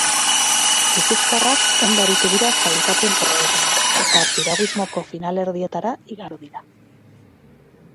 Gipuzkoarrak ondo aritu dira sailkapen probetan eta piraguismoko finalerdietara igaro dira.